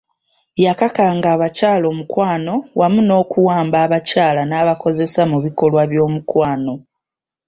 Yakakanga abakyala omukwano wamu n'okuwamba abakyala n'abakozesa mu bikolwa by'omukwano .